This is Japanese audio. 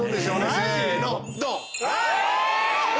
せのドン！